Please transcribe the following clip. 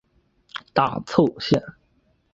大凑线。